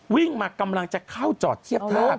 วิ่งมากำลังจะเข้าจอดเทียบท่า